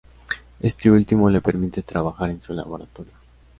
Este último le permite trabajar en su laboratorio.